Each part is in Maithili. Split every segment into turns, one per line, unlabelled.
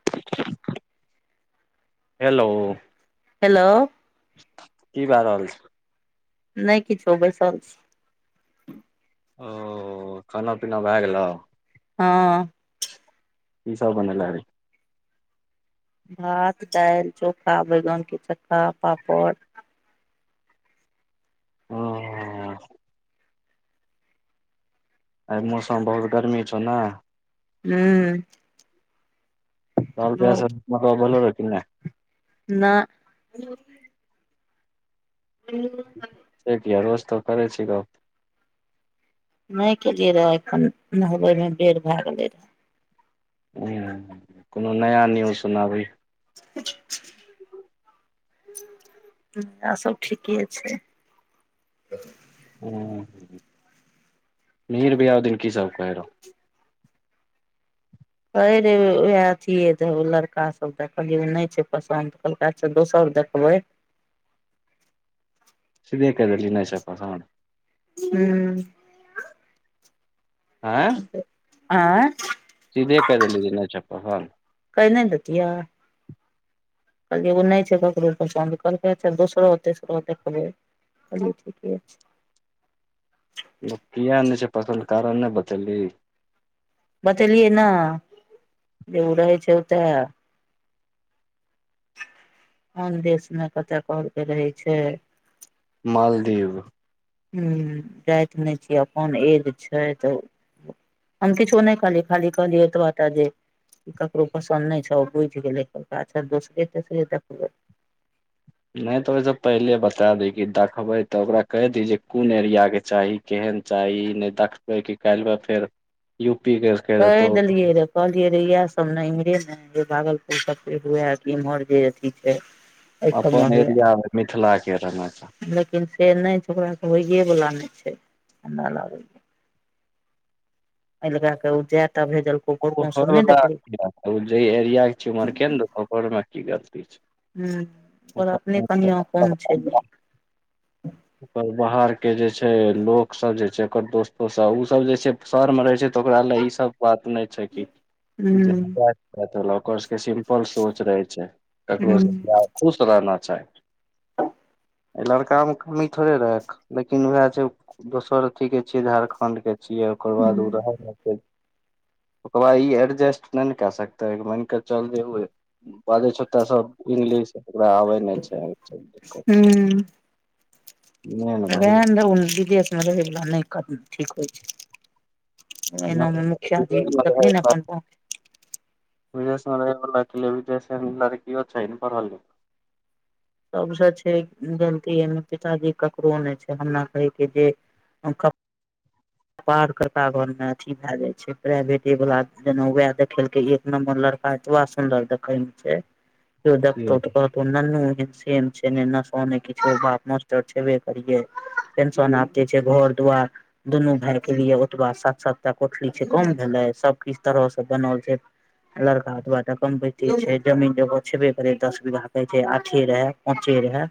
[unintelligible] हेलो
हेलो
कि भए रहल छै।
नहि किछो बैसल
ओ खाना पीना भए गेलौ
ह
ईस बन अी।
भात दालि चोखा बैगन के चक्खा पापड़
ओ एहि मौसम बहुत गरमी छौ न
हू
दे तब भल रह कि ने।
नहि ह
से भीर रोज त करै छी ग।
नहि केलियै रहे एखन नहबे मे भए गेले रहे।
कोनो नया न्यूज सुनाबे [unintelligible]
ह आर सभ ठीके छै।
हूँ हूँ मिजिर भिया ओय दिन की सब कहै रौ।
कहै रे उएह अथिए द लड़का सब द कहलियै रौ नै छै पसन्द कहलका अच्छा दोसर देखबै।
सिधे कहि देलहि नै छै पसं
हूँ।
आँ
आँय
सीधे कै देलहि जे नै छाप पसंद
कहि नै दितियाय। कहलियै ओ नै छै ककरो पसन्द करकै दोसरो तेसरो देखबै कहलै ठीके छै।
कियाक नै छै फसंद कारण नै बतेलीही
बतेलियै ना जे उ रहै छै ओतऽ। आन देशमे कतय कहकै रहै छै।
मालदीव
हूँ जाइत नै छयै अपन एग छै तऽ। अन किछो नै कहलीयै खाली कहलीए तऽ आटा जे- ककरो पसन्द नै छौ बुझि गेलै कहलकै अच्छा दोसरे तेसरे देखबै
नै त ओहिस पहिले बता दै के दाखबइ तऽ ओकरा कहि दहि जे ओकरा कुन एरिया के चाही केहन चाही नै त ताकबइ कि काल्बे फेर यू पी के
कहि दलियएरौ कहलियै रे इह सब ने इम्हरे ने भागलपुर [unintelligible] हुए इम्हर जे अथी छै एहि सबमे
अपन
हुए
एरिया मिथिलाक के [unintelligible]
लेकिन फेर नै छै ओकरा त होइए वला नै छैइ हमरा लागल एहि लगा क उ जेएत भेजल
ओ घर वला जै एरिया के छै उमहरके ने ओ मे की गलती छै
[unintelligible] अपने कनिया कोन छै
बा
नीक
ओकर बाहर के जे छै लोक सब जे छै ओकर दोस्तो सब उ सब जे छै सर मे रहे छै तऽ ओकरा ले ई सब बात नै छै कि
ह
[unintelligible] ओकर सबके सिम्पल सोच रहै छै
हूं
ककरोसँ बियाह खुश रहना चाही अए लड़कामे कमी थोड़े रहाय लेकिन उएह छै दोसर अथी के छियै झारखंड के छियै ओकर
हूं
बाद उ रह लगतै ओक बाद ई एरजेस्ट नै ने कए सकतै मान कऽ चल जे उ बाजै छौ तऽ स इंगलिश ओकरा आबै नै छै [unintelligible] नहि
रह
भाइ
ने दह विदेशमे रहयवला नै कर ठीक होइ छै। एना मुखिया जी देखखल ने अपन पहुँच [unintelligible]
बिदेस मे रहैवला के लेल [unintelligible] लड़कियो चाही न पढल लिखल।
सबस छै गलती ए मे पिताजी ककरो नै छै हमरा कहय के जे हम क पार कका घरमे अथी भए जाइ छै प्राइवेटे वला जेनैउ वएह देखेलकै एक नम्बर लड़का वासुनदर देखैय मे छै
[inaudible]
कियो देखतौ त कहतौ कि नन्नू एहन सेम छै न नशो न किछो बाप मास्टर छेबे करिय पेंशन आबते छै घर दुवार दुनू भाय के लिए ओतबा सात सात टा कोठीली बनल छै कम भेलै सबकिछु तरहसँ बनल छै लड़का एतबा कमबैते छै जमीन जगह छेबे करै दस बीघा कहै छै आठे रएहे। पचे रहय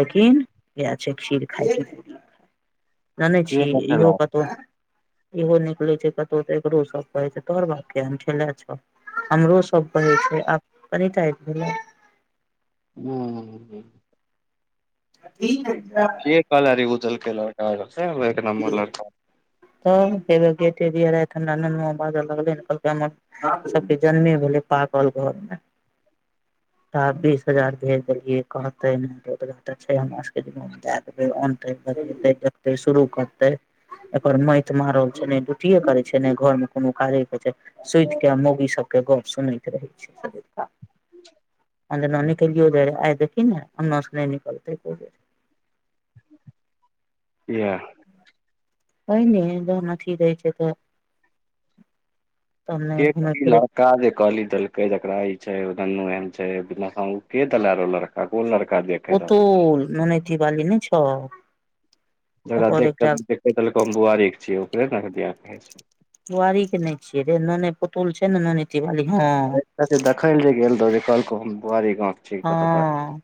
लेकिन एह छै खीर खायके जानै
के
छी
देखै
इहो
लए
कतौ इहो निकले छै कतहु एकरो सभ कहे छै तोहर बाप के खेले छौ हमरो सभ कहै छै आब कनिटा आबि गेलै भेलै
एक कलरी उजल केल [unintelligible]
तऽ एन रानन बलर सभके जन्मे भेलै पागल घरमे बीस हजार भेज देलियै कहते ने रोड घात छै हमरा सभके घुम देयत। नते बते देखते शुरू करते। एकर माटि मारल छै ने ड्यूटिए कर छै ने घर मे। कोनो के के छै सुति के मौगी सभ के गप सुन किया आ देखिन ने नसल निकलतै को देर।
इहा
पहिने दमेथ दै छै त ने
के
घुमे
कर
फिरे
लड़का जे कहली देलके जेकरा ई छैन एहन के देलेऔ लड़का के कोन लड़का देखे रहल
पोतल ननथी बाली ने छै
जकरा देखेलको हम बुआरीक छियै ओकरे नेिय कहै छै।
बुआरीक के नहि छियै रे नोन पुतौल छै ने ननी तिवारी ह
देखैल ल जे गेल रहौ जे कहलकौ हम बुआरी गाव छी कत
हँ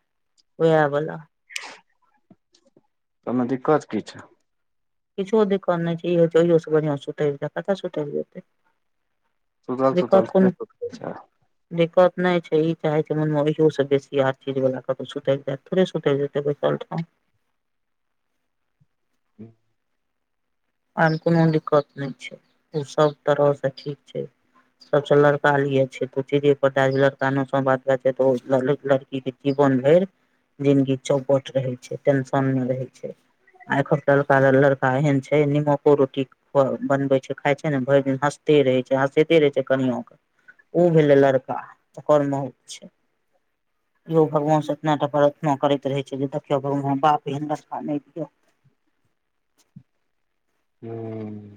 वएह बला
तमे दिक्कत कि छै
किछु ओ दिक्कत नहि छै सुत का कते सुतेभी।
सुतल
दिक्कत
सुतल
कोनो।
थोड़े सुतै छै
दिक्कत नहि छै ई चाहे छै मन मे ओहियो से बेसी आर चीज वाल क सुतरि जाय थोड़े सुत जेतै बैसल
ह
आन कोनो दिक्कत नहि छै ओ सभ तरहसँ ठीक छै सभसँ लड़का लिए छै तू चीरे पता लड़का नो बात छै लड़की के जीवन भरि जिन्दगी चौपट रहै छै टेशनमे रहै छै आख त लड़का लड़का एहन छै निमको रोटी बनबैत छै खाय छै ने भरि दिन हँसते रहै छै हँसते रहै छै कनिय के ओ भेलै लड़का ओकर बहुत छै।
[inaudible]
यो भगवान से इतना टा प्रारथना करैत रहे छै जे देखियौ भगवान बाप एहन रास्ता नहि दियऔ।
ह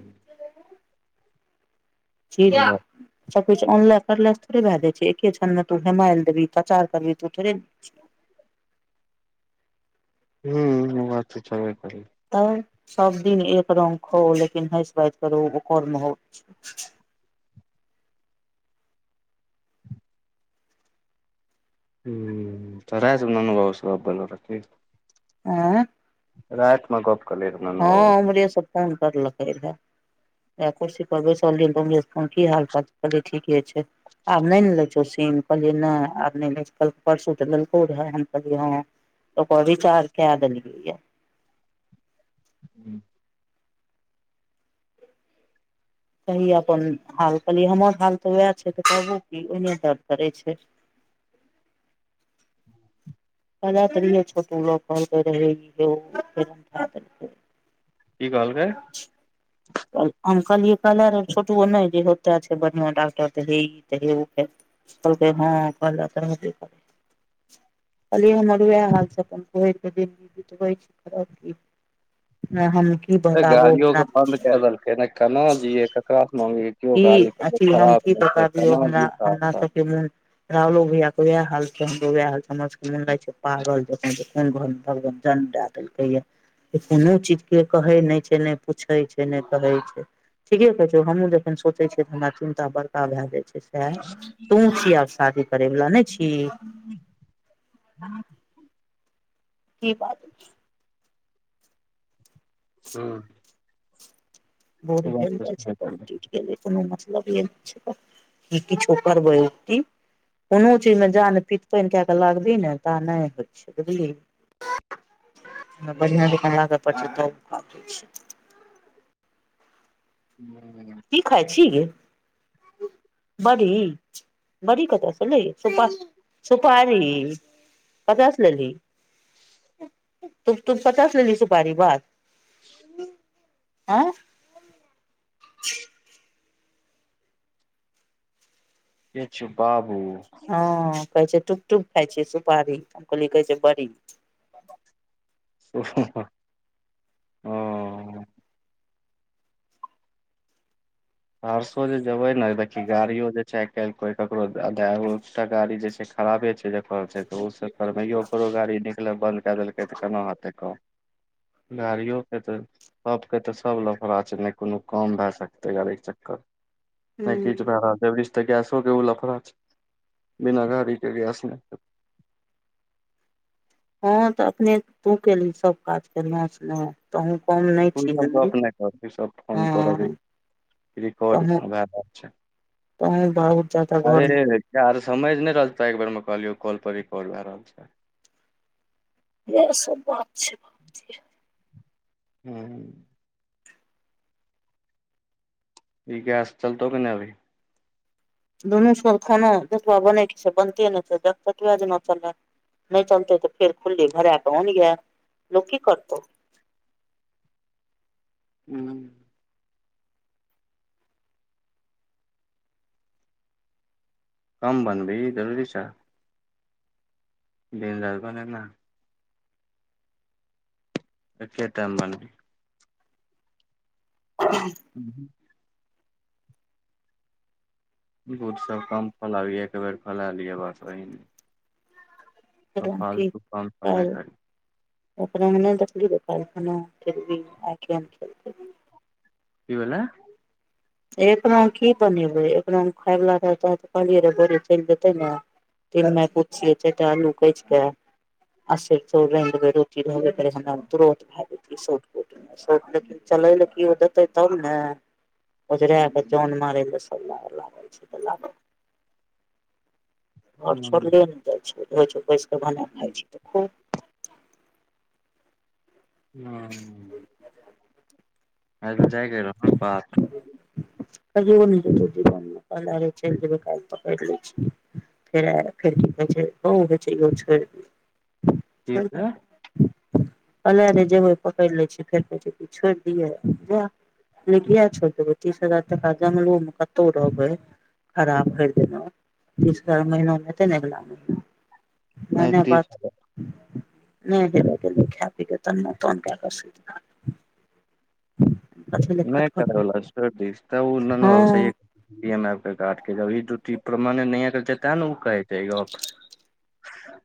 ठिक
हुँ ई
छै सभकिछु ऑनलाइ करलास थोड़े भए जाइ छै एके क्षनमे तू हेमायल देबही काचारबिही थोड़े
हू बात तऽ छबे करै
तब सभदिन एक रंग खो लेकिन हासि बाज करू ओकर महत्व छै
तऽ रै जा ने अनुभव सभ बोल र की
आ
रात मे गप केलियै रहै ननू
ह
बाबू
उमरे स फोन करलकै रहए हया कुर्सी पर बैसल रहिये कमलेश फोन किएलके की हालचाल सभ ठीके छै। आब नहि ने लै सीम कहलिय नहि आब नहि परसू त लेलको रहे कहल आकार रिचार्ज कै देलैए
ह
कि अपन हाल कहलियै हमर हाल तऽ उएह छै तऽ कहबू क ओहिने दरद करै छै। प ते छोटो ल कह रहे
कि कहलके
कहलिय कहलर छोटो नहि जे होते बढ़आ डाक्टर तऽ हेई हे ओ ख कहलके हँ कह त अलि हम मर हालसँ अपन ह न
गाड़ियो के बंन्द कऽ देलकै ने केना जिये ककरा से मागए
कि अथी हम की बता दियौ हमरा
जिये
हमरा
सहरसा
सभके मुह रावलो भैयआ के वएह हाल छै हमरो वएह हाल छै हमर सभके मन लाग छै पागल जख भगवान जन्म दए देलकै यए कोनो चीज के कहे नहि छै ने पूछे छै ने कहे छै ठीके कहे छै हम देख सोचे छै हमरा चिन्ता बड़का भए जाय छै सह तो छिय आब शादी करैवला नहि छिय कि बात
ह
बोर भेले जाइ छै तऽ कोनो मतलब य किछो करबै कोनो चीजमे जा ने पित पानि कए कऽ लागबही ने ता नहि होइ छै बुझलियी बढ़िआ दकन लागे प त
ह।
कि खाइ छी गे बड़ी बड़ी कथा सुलै। सुपारी ककरा से लेल्हि तू पता छल लेलही सुपारी बात आ
छै यति छै बाबू।
हँ कहै छै टुकटुक खाय छै सुपारी हम कहलियै कहै छै बड़ी
ओ। सहसो जेबै ने देखी गाड़ियो जे छै आइ काल्हि कोइ ककरो आधाटा गाड़ी जे छै खराबे छै जकर छै तऽ ओस करबैयो ओकरो गाड़ी निकलै बन्द कै देलकै तऽ केना होतै काम गाड़ियो के ते सभ के ते सभ लफड़ा छै ने कोनो काम भए सकते गाड़ी चक्कर नहि की त गैसोक के ओ लफड़ा छै बिना गाड़ीक के गैस नहि
हँ त अपखने तू केली सभ काज कलहु तऽ हम कम नहि
तू ई
छी
सब गप
हैं
नहि कर ई सब फोन पर अभी रिकॉर्ड
कह
भए रहल छै
कहँ बहुत जादा घर मे
यरो समझि नहि रहल तऽ एक बेरमे कहलियौ कॉल पर रिकॉर्ड भए रहल छै
इह सभ बात छै बहु
हू। ई गैस चलतौ नहि अभी
दुनू खाना जतेबा बनेके बनते ने चल नहि चलते तऽ फेर खुलली भरा पन या लोग की करतौ
हूँ। कम भनभी जरूरी छै। दिन हारप ने ने। कटा बान।
ह।
हूँ। दूध सभ कम फलाबियै एक बेर फैला लियै बस ओहीने।
च ठीक
काम सब नहि
कह।
करी
ओ मने देखल द खेल आ खेल।
कि भेलला
एकना की बनेबै एकना खायवला रह कहलियै र बोरी चलि जेतै ने। त मै पूछियऐ चटा लू कहे कहसरो रे बेर र कर हम तुरन्त भए जे शर्ट कोूट शर्ट लेकिन चलै केओ देतै तब ने ओजर जन मारै सला लागल छै तऽ लाग।
हूं
घर छोड़ले ने जाइ छै बैस कऽ बना खाइ छै खूब
ह आइ तऽ जायके रह ने पात।
त जेो नत जीवन पले छै जेब क पकड़ लै छै। फर फर कह छै ओ छै।
की भेलै
कहले नहि जेबै पकड़ि लै छ फेर कहै छोड़ि दिय जा। ल किया चलतै तीस हजार तक खाजामे कतौ रहबै। खराब कररि देना तीस महीना नहि तै ने अगला महीना। धन्य
पैंतीस
बाद।
हजार
नहि दे देख ख प के त तोन क क। ले
नहि कला
खटखटाउ
द त ओ ननष।
हँ
के्ड के करत ते ने ओ कहे छै गप ह।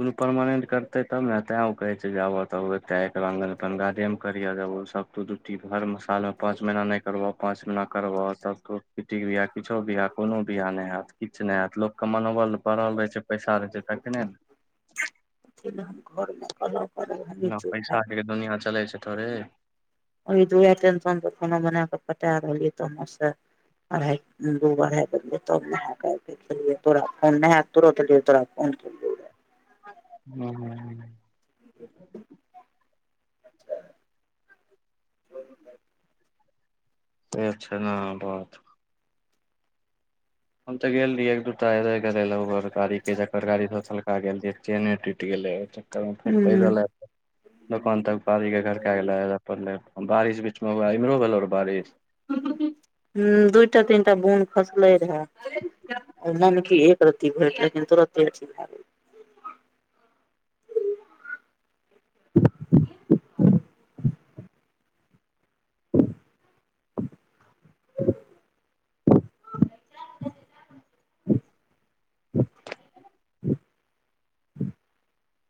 कोनो परमानेन्ट करतै तब ने तैँ ओ कहै छै जे आबऽ तब ओ एतै एकरा आङ्गन अपन गार्डेमे करिहऽ जेब ओ सभ प्रदुति। हर सालमे पाँच महीना नहि करबह पाँच महना करह तिट्टीके बिाह किछु भी। कोनो बियाह नहि हयत किछु नहि हयत लोकके मनोबल बड़ल रहै छै पैसा रहै छै तखने ने
घर नहि कहल।
नहि पैसाके दुनिया चलै छै थोड़े
ओ दु टेशन खाना बना क पटा रहलियै त से अढ़ाइ दू अढ़ाइ बे तब नहा। तोरा फोन नहि है तुरोतियअ तोरा फोन करियौ।
ह ह।
[unintelligible]
च छैा ने बात। हम ते गेल रहिए एक दू टा गेले ले ओकर गाड़ी के जकर गाड़ीलका गेलय चेने टूटि गेले। तब
रहे
फेर
हूँ
पैदल दोकान तक पारी के घर कए गेल। पहिले बारिश बीचमे इमहरो भेलो बारिश।
ह दूटा तीनटा बुन खसले रहे ओ मन की एक र्त। कि त रत ठीक।